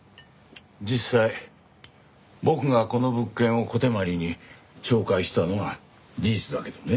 実際僕がこの物件を小手鞠に紹介したのは事実だけどね。